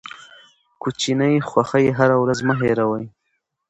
کوچني خوښۍ هره ورځ مه هېروئ.